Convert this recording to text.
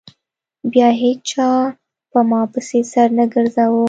بيا هېچا په ما پسې سر نه گرځاوه.